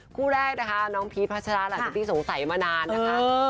คู่แรกนะคะน้องพีชพัชราหลังจากที่สงสัยมานานนะคะ